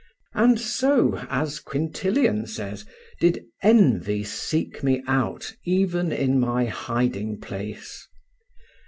And so, as Quintilian says, did envy seek me out even in my hiding place.